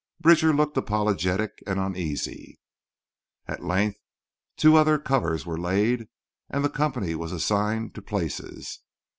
Bridger looked apologetic and uneasy. At length two other covers were laid and the company was assigned to places.